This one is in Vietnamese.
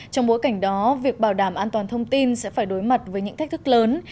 trong bối cảnh đó việc bảo đảm an toàn thông tin sẽ phải đối mặt với những thách thức lớn